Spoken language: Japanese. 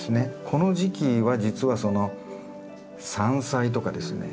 この時期は実はその山菜とかですね